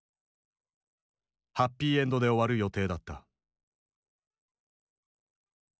ハッピーエンドで終わる予定だった。